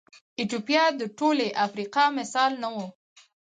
ایتوپیا د ټولې افریقا مثال نه و.